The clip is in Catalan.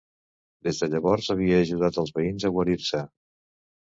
Des de llavors havia ajudat els veïns a guarir-se.